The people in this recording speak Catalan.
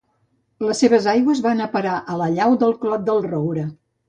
Les seves aigües van a parar a la llau del Clot del Roure.